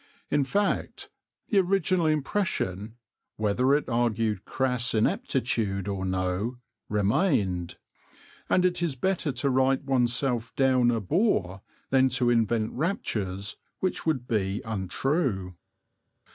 In fact, the original impression, whether it argued crass ineptitude or no, remained; and it is better to write oneself down a boor than to invent raptures which would be untrue.